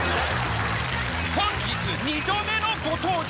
本日２度目のご登場。